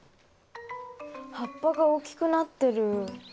葉っぱが大きくなってる。